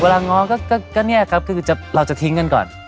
ง้อก็เนี่ยครับคือเราจะทิ้งกันก่อน